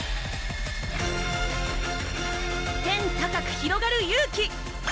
天高くひろがる勇気！